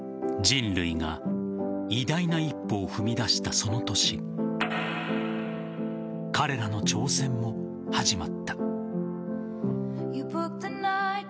人類が偉大な一歩を踏み出したその年彼らの挑戦も始まった。